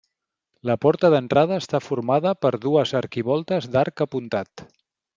La porta d'entrada està formada per dues arquivoltes d'arc apuntat.